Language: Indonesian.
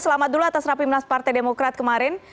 selamat dulu atas rapimnas partai demokrat kemarin